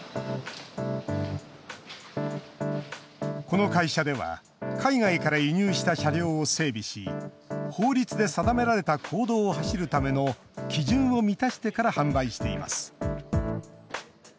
この会社では海外から輸入した車両を整備し法律で定められた公道を走るための基準を満たしてから販売しています。